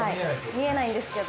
見えないんですけど。